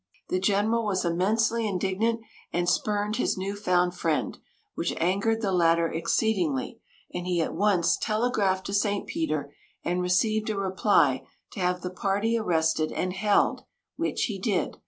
The general was immensely indignant, and spurned his new found friend, which angered the latter exceedingly, and he at once telegraphed to St. Peter, and received a reply to have the party arrested and held, which he did.